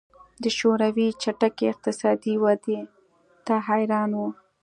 د شوروي چټکې اقتصادي ودې ته حیران وو